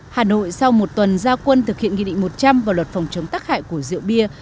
hà nội sau một tuần gia quân thực hiện nghị định một trăm linh vào luật phòng chống tắc hại của rượu bia